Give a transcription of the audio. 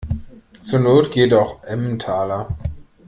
Zur Not geht auch Emmentaler.